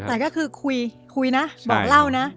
แต่ก็คือคุยนะบอกเล่านะ